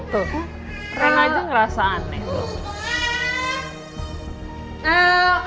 keren aja ngerasa aneh tuh